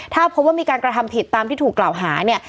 ถ้าพบว่ามีการกระทำผิดตามที่ถูกกล่าวหาเนี่ย